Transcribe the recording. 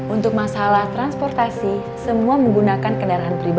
untuk masalah transportasi semua menggunakan kendaraan pribadi